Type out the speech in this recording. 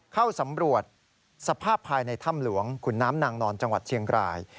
เข้าสำรวจสภาพภายในถ้ำหลวงขุนน้ำนางนอนจังหวัดเชียงราย